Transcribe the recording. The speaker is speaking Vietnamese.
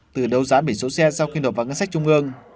từ đầu giá bỉ số xe sau khi đột vào ngân sách trung ương